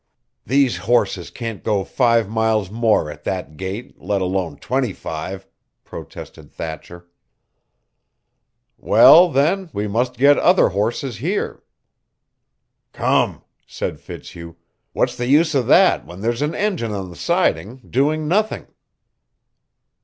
"These horses can't go five miles more at that gait, let alone twenty five," protested Thatcher. "Well, then, we must get other horses here." "Come," said Fitzhugh; "what's the use of that when there's an engine on the siding doing nothing?"